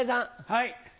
はい。